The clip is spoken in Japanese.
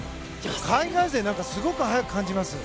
海外勢、すごく速く感じます。